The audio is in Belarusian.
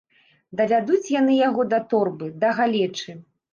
Давядуць яны яго да торбы, да галечы.